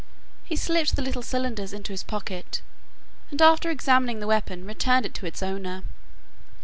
He slipped the little cylinders into his pocket, and after examining the weapon returned it to its owner.